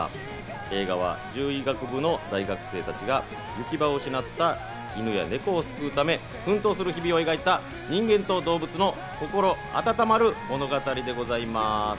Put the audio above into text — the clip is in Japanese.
映画は獣医学部の大学生たちが生き場を失った犬や猫を救うため、奮闘する日々を描いた人間と動物の心温まる物語でございます。